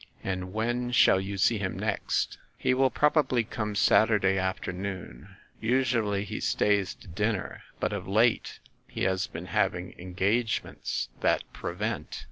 "And when shall you see him next?" "He will probably come Saturday afternoon. Us ually he stays to dinner, but of late he has been having engagements that prevent."